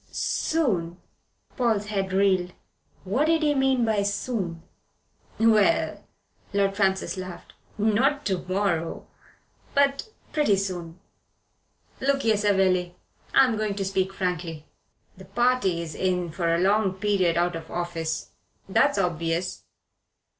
"Soon?" Paul's head reeled. What did he mean by soon? "Well," Lord Francis laughed, "not to morrow. But pretty soon. Look here, Savelli. I'm going to speak frankly. The party's in for a long period out of office. That's obvious.